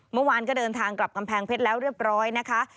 เมื่อวานก็เดินทางกลับกำแพงเพชรแล้วเรียบร้อยนะคะ